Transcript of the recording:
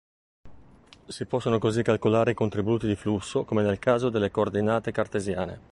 Si possono così calcolare i contributi di flusso come nel caso delle coordinate cartesiane.